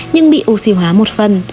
nhưng bị oxy hóa một phần